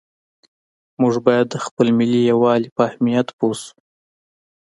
موږ باید د خپل ملي یووالي په اهمیت پوه شو.